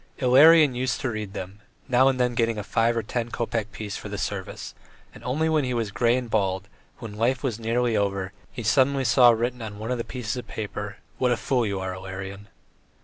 Ilarion used to read them, now and then getting a five or ten kopeck piece for the service, and only when he was grey and bald, when life was nearly over, he suddenly saw written on one of the pieces of paper: "What a fool you are, Ilarion."